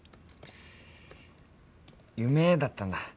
夢だったんだ